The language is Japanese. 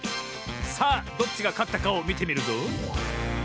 さあどっちがかったかをみてみるぞ。